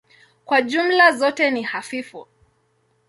Kwa jumla zote ni hafifu.